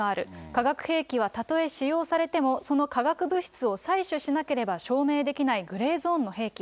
化学兵器はたとえ使用されても、その化学物質を採取しなければ証明できないグレーゾーンの兵器。